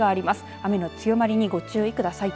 雨の強まりにご注意ください。